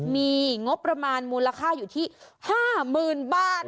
มีงบประมาณมูลค่าอยู่ที่๕๐๐๐บาท